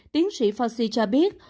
tiến sĩ fauci cho biết